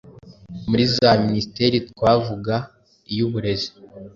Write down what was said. Muri za Minisiteri twavuga iy’Uburezi